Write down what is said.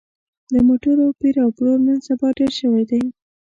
د موټرو پېر او پلور نن سبا ډېر شوی دی